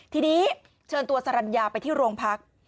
ทีนี้เชิญตัวสรรยาไปที่โรงพัก